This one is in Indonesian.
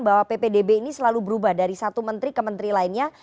bahwa ppdb ini selalu berubah dari satu menteri ke menteri lainnya